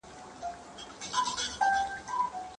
نو ژر یې زده کوې.